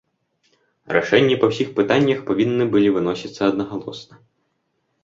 Рашэнні па ўсіх пытаннях павінны былі выносіцца аднагалосна.